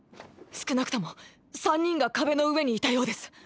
少なくとも３人が壁の上にいたようです。